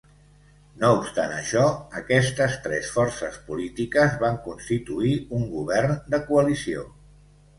No obstant això, aquestes tres forces polítiques van constituir un govern de coalició.